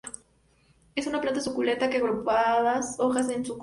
Es una planta suculenta, que agrupadas hojas en rosetas.